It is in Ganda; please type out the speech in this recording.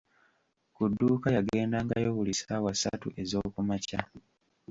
Ku dduuka yagendangayo buli ssaawa ssatu ez'okumakya.